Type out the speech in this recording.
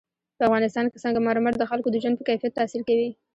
په افغانستان کې سنگ مرمر د خلکو د ژوند په کیفیت تاثیر کوي.